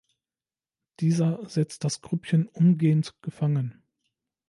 Dieser setzt das Grüppchen umgehend gefangen.